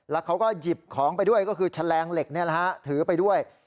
แล้วเขาก็หยิบของไปด้วยก็คือแฉลงเหล็กถือไปด้วย